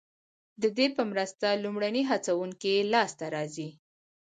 ددې په مرسته لومړني هڅوونکي لاسته راځي.